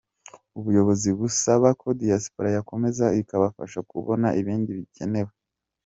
Ubuyobozi busaba ko Diaspora yakomeza ikabafasha kubona ibindi bigikenewe.